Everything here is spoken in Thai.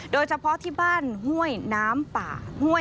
โดยเฉพาะที่บ้านห้วยน้ำป่าห้วย